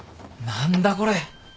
何だこれ。